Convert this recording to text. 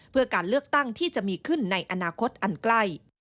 เพื่อการเลือกตั้งที่จะมีขึ้นในอนาคตอันใกล้